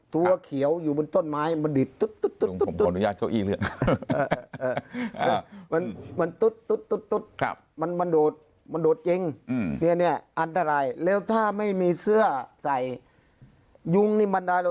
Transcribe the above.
ตัวเขียวอยู่บนต้นไม้มันดิดตุ๊ด